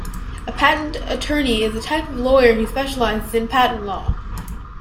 A patent attorney is a type of lawyer who specialises in patent law